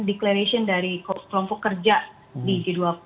declaration dari kelompok kerja di g dua puluh